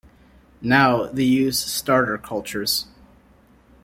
Now, they use starter cultures.